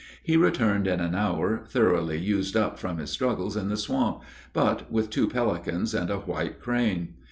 He returned in an hour thoroughly used up from his struggles in the swamp, but with two pelicans and a white crane.